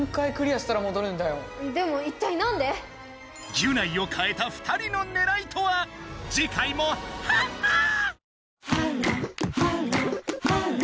ギュナイをかえた２人のねらいとは⁉次回もヒャッハー！